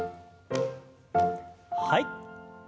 はい。